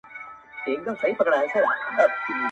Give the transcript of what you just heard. ډیک په هر ځنګله کي ښاخ پر ښاخ کړېږي!!